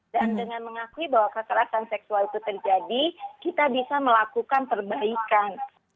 dan dengan mengakui bahwa kekerasan seksual itu terjadi kita bisa melakukan perbaikan